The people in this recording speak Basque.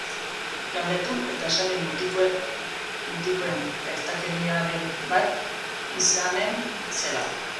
Galdetu, eta esan dit mutikoen gaiztakeriaren bat izanen zela.